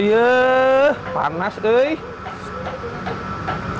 oh iya panas kek